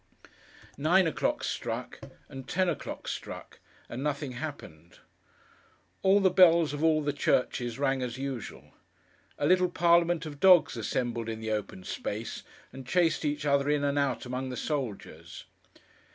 Nine o'clock struck, and ten o'clock struck, and nothing happened. All the bells of all the churches rang as usual. A little parliament of dogs assembled in the open space, and chased each other, in and out among the soldiers.